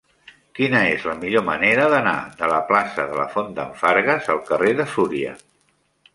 Quina és la millor manera d'anar de la plaça de la Font d'en Fargues al carrer de Súria?